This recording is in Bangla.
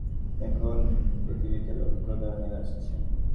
দেখুন, পৃথিবীতে লক্ষ লক্ষ ধরনের গাছ আছে।